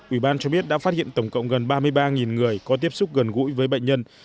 ủy ban cho biết đã phát hiện tổng cộng gần ba mươi ba người có tiếp xúc gần gũi với bệnh nhân